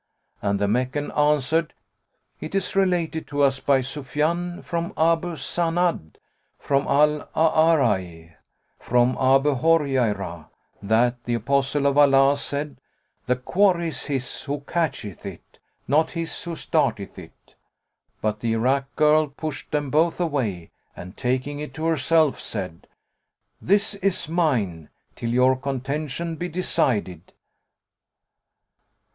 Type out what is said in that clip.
And the Meccan answered, "It is related to us by Sufyαn, from Abu Zanαd, from Al A'araj, from Abu Horayrah, that the Apostle of Allah said: The quarry is his who catcheth it, not his who starteth it.'" But the Irak girl pushed them both away and taking it to herself, said, "This is mine, till your contention be decided."